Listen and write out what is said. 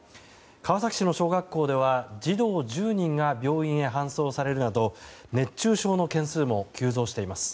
川崎市の小学校では児童１０人が病院へ搬送されるなど熱中症の件数も急増しています。